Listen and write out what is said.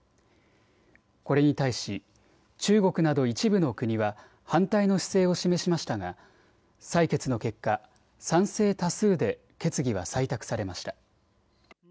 これに対し中国など一部の国は反対の姿勢を示しましたが採決の結果、賛成多数で決議は採択されました。